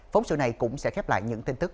phóng sự này cũng sẽ khép lại những tin tức